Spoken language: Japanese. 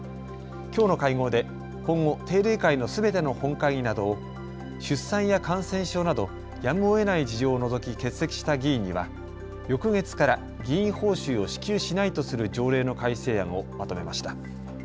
きょうの会合で今後、定例会のすべての本会議などを出産や感染症などやむをえない事情を除き欠席した議員には翌月から議員報酬を支給しないとする条例の改正案をまとめました。